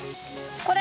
これ？